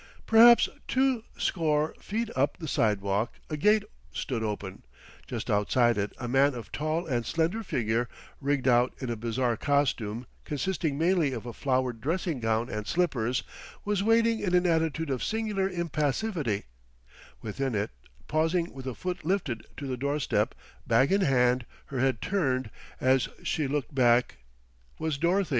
Perhaps two score feet up the sidewalk a gate stood open; just outside it a man of tall and slender figure, rigged out in a bizarre costume consisting mainly of a flowered dressing gown and slippers, was waiting in an attitude of singular impassivity; within it, pausing with a foot lifted to the doorstep, bag in hand, her head turned as she looked back, was Dorothy.